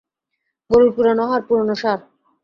গরুর পুরোনো হাড়, পুরোনো সার।